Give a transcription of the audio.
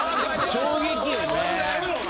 衝撃よね。